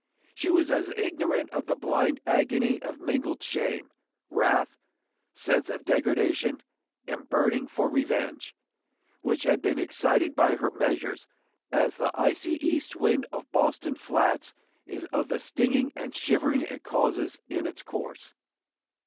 She was as ignorant of the blind agony of mingled shame, wrath, sense of degradation, and burning for revenge, which had been excited by her measures, as the icy east wind of Boston flats is of the stinging and shivering it causes in its course.